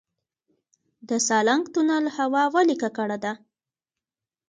د سالنګ تونل هوا ولې ککړه ده؟